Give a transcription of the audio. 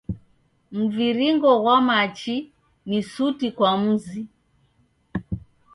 Mviringo ghwa machi ni suti kwa mzi.